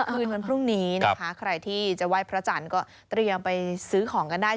คืนวันพรุ่งนี้นะคะใครที่จะไหว้พระจันทร์ก็เตรียมไปซื้อของกันได้